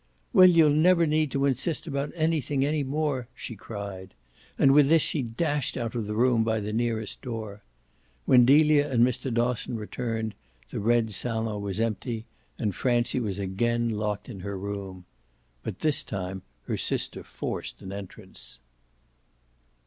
"Well, you'll never need to insist about anything any more!" she cried. And with this she dashed out of the room by the nearest door. When Delia and Mr. Dosson returned the red salon was empty and Francie was again locked in her room. But this time her sister forced an entrance.